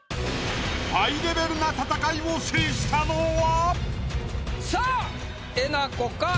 ハイレベルな戦いを制したのは⁉さあえなこか？